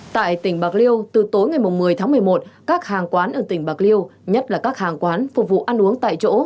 tại tỉnh bạc liêu từ tối ngày một mươi tháng một mươi một các hàng quán ở tỉnh bạc liêu nhất là các hàng quán phục vụ ăn uống tại chỗ